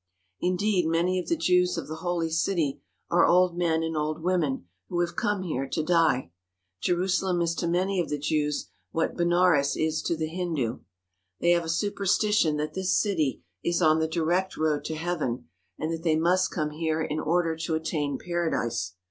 Indeed many of the Jews of the Holy City are old men and old women who have come here to die. Je rusalem is to many of the Jews what Benares is to the 7i THE HOLY LAND AND SYRIA Hindu. They have a superstition that this city is on the direct road to heaven and that they must come here in order to attain paradise.